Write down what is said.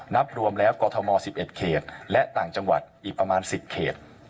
นับรวมแล้วกรทม๑๑เขตและต่างจังหวัดอีกประมาณ๑๐เขต